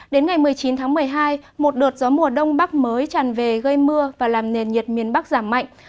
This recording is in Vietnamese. đến ngày một mươi chín tháng một mươi hai một đợt gió mùa đông bắc mới tràn về gây mưa và làm nền nhiệt miền bắc giảm mạnh